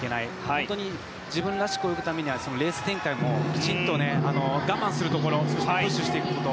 本当に、自分らしく泳ぐためにはレース展開もきちんと我慢するところそしてプッシュしていくところ。